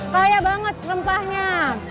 kayak banget rempahnya